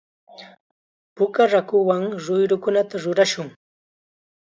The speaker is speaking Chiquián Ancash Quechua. Puka raakuwan ruyrukunata rurashun.